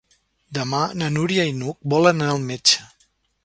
Demà na Núria i n'Hug volen anar al metge.